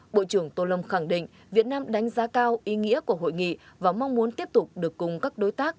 bộ trưởng tô lâm khẳng định việt nam đánh giá cao ý nghĩa của hội nghị và mong muốn tiếp tục được cùng các đối tác